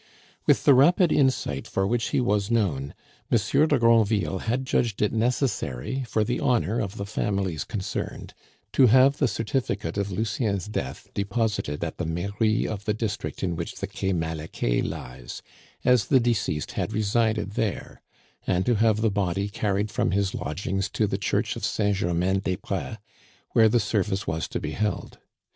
With the rapid insight for which he was known, Monsieur de Granville had judged it necessary, for the honor of the families concerned, to have the certificate of Lucien's death deposited at the Mairie of the district in which the Quai Malaquais lies, as the deceased had resided there, and to have the body carried from his lodgings to the Church of Saint Germain des Pres, where the service was to be held.